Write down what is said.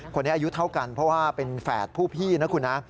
อายุเท่ากันเพราะว่าเป็นแฝดผู้พี่นะคุณนะ